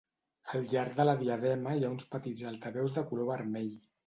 Al llarg de la diadema hi ha uns petits altaveus de color vermell.